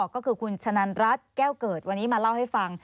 ก็คือคุณชะนันรัฐแก้วเกิดวันนี้มาเล่าให้ฟัง